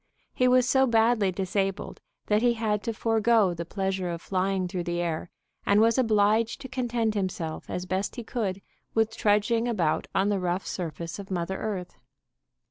He was so badly disabled that he had to forego the pleasure of flying through the air, and was obliged to content himself as best he could with trudging about on the rough surface of mother earth.